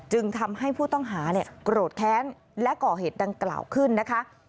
ทำให้ผู้ต้องหาโกรธแค้นและก่อเหตุดังกล่าวขึ้นนะคะ